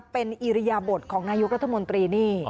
เป็นอิริยบทของนายกรัฐมนตรีนี่